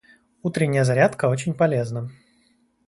Утренняя зарядка очень полезна.